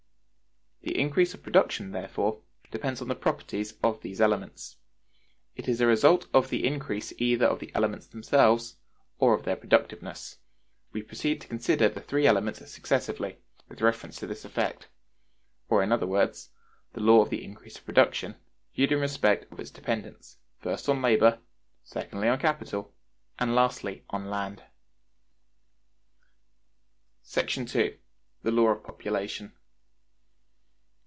The increase of production, therefore, depends on the properties of these elements. It is a result of the increase either of the elements themselves, or of their productiveness. We proceed to consider the three elements successively, with reference to this effect; or, in other words, the law of the increase of production, viewed in respect of its dependence, first on Labor, secondly on Capital, and lastly on Land. § 2. The Law of Population.